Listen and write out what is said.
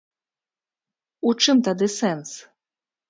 У чым тады сэнс?